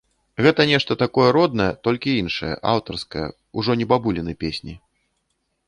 Гэта нешта такое роднае, толькі іншае, аўтарскае, ужо не бабуліны песні.